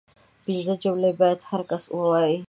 پنځه جملې باید هر کس ووايي